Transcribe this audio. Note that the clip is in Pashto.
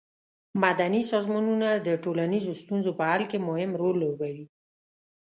مدني سازمانونه د ټولنیزو ستونزو په حل کې مهم رول لوبوي.